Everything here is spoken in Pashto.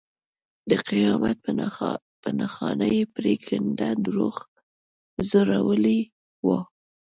د قیامت په نښانه یې پرېکنده دروغ ځړولي وو.